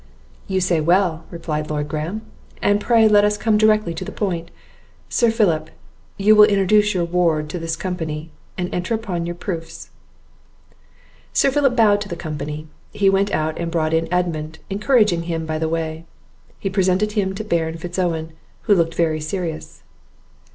"You say well," replied Lord Graham, "and pray let us come directly to the point; Sir Philip, you will introduce your ward to this company, and enter upon your proofs." Sir Philip bowed to the company; he went out and brought in Edmund, encouraging him by the way; he presented him to Baron Fitz Owen, who looked very serious.